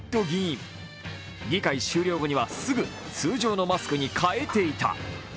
議会終了後にはすぐ通常のマスクに変えていた。